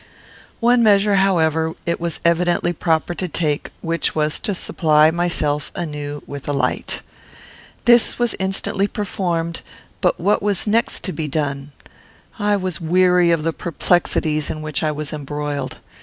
One measure, however, it was evidently proper to take, which was to supply myself, anew, with a light. This was instantly performed; but what was next to be done? I was weary of the perplexities in which I was embroiled.